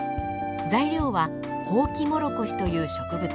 材料はホウキモロコシという植物。